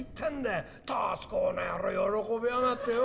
たつ公の野郎喜びやがってよ。